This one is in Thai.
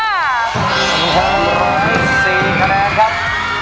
๖๐๔คะแนนครับ